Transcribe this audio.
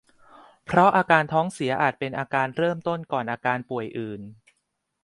เพราะอาการท้องเสียอาจเป็นอาการเริ่มต้นก่อนอาการป่วยอื่น